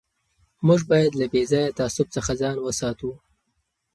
موږ باید له بې ځایه تعصب څخه ځان وساتو.